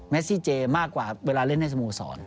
ซี่เจมากกว่าเวลาเล่นในสโมสร